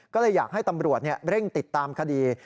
ก็เลยอยากให้ตำรวจเร่งติดตามคดี